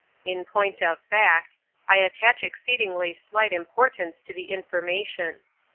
In point of fact, I attach exceedingly slight impor tance to the information.